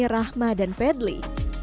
ini rahma dan pedli